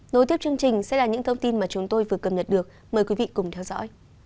nối tiếp chương trình sẽ là những thông tin mà chúng tôi vừa cập nhật được mời quý vị cùng theo dõi